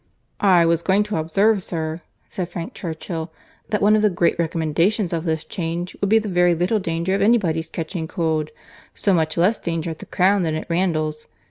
"I was going to observe, sir," said Frank Churchill, "that one of the great recommendations of this change would be the very little danger of any body's catching cold—so much less danger at the Crown than at Randalls!